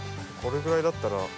これぐらいだったら。